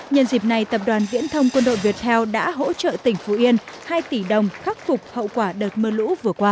nhân dịp này tập đoàn viễn thông quân đội việt theo đã hỗ trợ tỉnh phú yên hai tỷ đồng khắc phục hậu quả đợt mưa lũ vừa qua